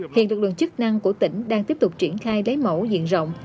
hiện lực lượng chức năng của tỉnh đang tiếp tục triển khai lấy mẫu diện rộng